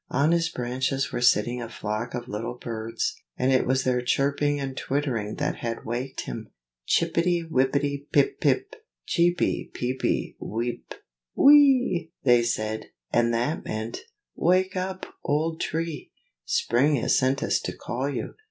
On his branches were sitting a flock of little birds, and it was their chirping and twittering that had waked him. "Chippity wippity pip pip, cheepy peepy weep wee e e!" they said; and that meant "Wake up, old Tree! Spring has sent us to call you.